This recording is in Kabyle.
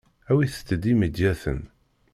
Awit-d imedyaten.